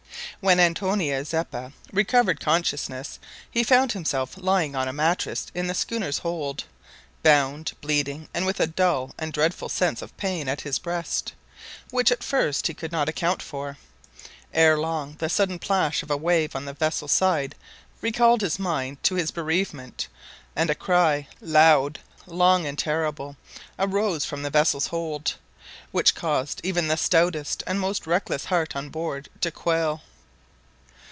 When Antonio Zeppa recovered consciousness, he found himself lying on a mattress in the schooner's hold, bound, bleeding, and with a dull and dreadful sense of pain at his breast, which at first he could not account for. Ere long the sudden plash of a wave on the vessel's side recalled his mind to his bereavement; and a cry loud, long, and terrible arose from the vessel's hold, which caused even the stoutest and most reckless heart on board to quail.